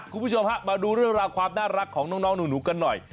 คุณผู้ชมฮะมาดูเรื่องราวความน่ารักของน้องหนูกันหน่อย